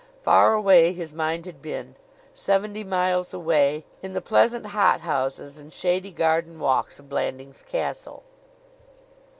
Far away his mind had been seventy miles away in the pleasant hothouses and shady garden walks of Blandings Castle.